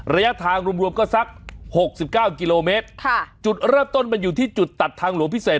ระยะทางรวมก็สัก๖๙กิโลเมตรจุดเริ่มต้นมันอยู่ที่จุดตัดทางหลวงพิเศษ